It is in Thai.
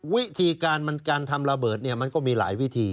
วิธีการทำระเบิดมันก็มีหลายวิธี